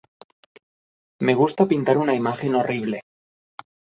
Me gusta pintar una imagen horrible.